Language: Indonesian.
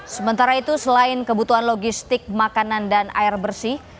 sementara itu selain kebutuhan logistik makanan dan air bersih